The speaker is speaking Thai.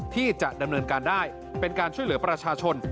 ที่จะดำเนินการได้เป็นการช่วยเหลือประชาชน